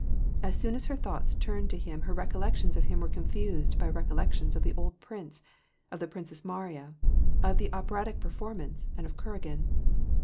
As soon as her thoughts turned to him her recollections of him were confused by recollections of the old prince, of the Princess Mariya, of the operatic performance, and of Kuragin.